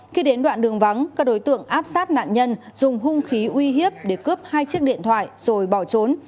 trong vắng các đối tượng áp sát nạn nhân dùng hung khí uy hiếp để cướp hai chiếc điện thoại rồi bỏ trốn